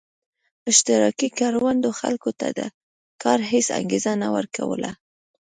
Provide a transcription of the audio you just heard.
اشتراکي کروندو خلکو ته د کار هېڅ انګېزه نه ورکوله